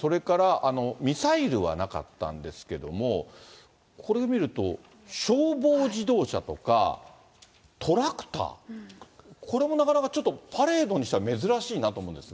それからミサイルはなかったんですけども、これ見ると、消防自動車とか、トラクター、これもなかなかちょっとパレードにしては珍しいなと思うんですが。